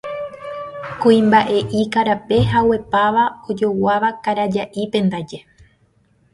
Kuimba'e'i karape, haguepáva, ojoguáva karaja'ípe ndaje.